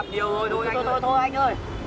thôi anh ơi